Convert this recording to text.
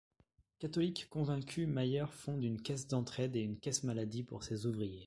Catholique convaincu, Mayer fonde une caisse d'entraide et une caisse-maladie pour ses ouvriers.